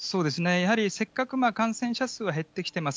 やはりせっかく感染者数は減ってきてます。